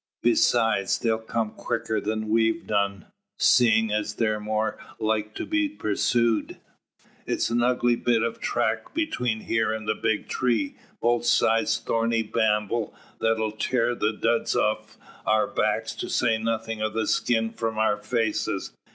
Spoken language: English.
Besides they'll come quicker than we've done, seeing as they're more like to be pursooed. It's a ugly bit o' track 'tween here an' the big tree, both sides thorny bramble that'll tear the duds off our backs, to say nothin' o' the skin from our faces.